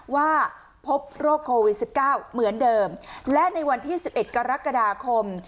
ว่าพบโรคโควิด๑๙เหมือนเดิมและในวันที่๑๑กรกฎาคม